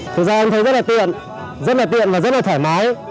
thực ra em thấy rất là tiện rất là tiện và rất là thoải mái